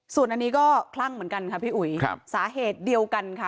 ส่วนอันนี้ก็คลั่งเหมือนกันค่ะพี่อุ๋ยครับสาเหตุเดียวกันค่ะ